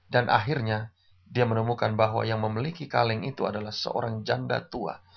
dan akhirnya dia menemukan bahwa yang memiliki kaleng itu adalah seorang janda tua